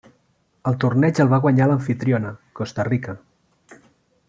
El torneig el va guanyar l'amfitriona, Costa Rica.